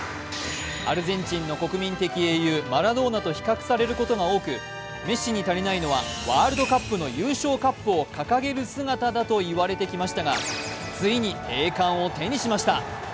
アルゼンチンの国民的英雄マラドーナと比較されることが多くメッシに足りないのはワールドカップの優勝カップを掲げる姿だと言われてきましたがついに栄冠を手にしました。